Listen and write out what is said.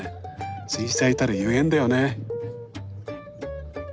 水彩たるゆえんだよね。